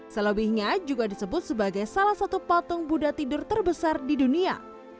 selebihnya juga disebut sebagai salah satu patung buddha tidur terbesar di dunia